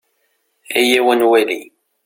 Ayaw ad nwali.